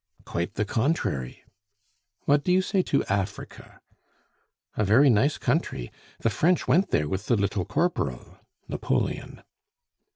"Quite the contrary." "What do you say to Africa?" "A very nice country! The French went there with the little Corporal" (Napoleon).